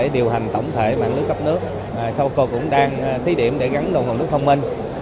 điều hành tổng thể mạng nước cấp nước soco cũng đang thí điểm để gắn đồng hồ nước thông minh